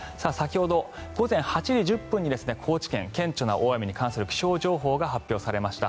午前８時１０分に高知県、顕著な大雨に関する気象情報が発表されました。